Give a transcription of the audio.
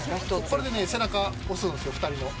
これでね、背中押すんですよ、２人の。